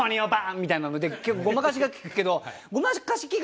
みたいなので結構ごまかしが利くけど。